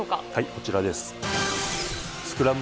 こちらです。